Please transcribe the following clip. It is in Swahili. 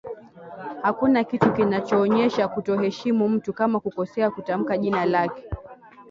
hakuna kitu kinachoonyesha kutokuheshimu mtu kama kukosea kutamka jina lake